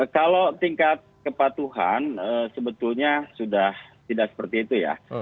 kalau tingkat kepatuhan sebetulnya sudah tidak seperti itu ya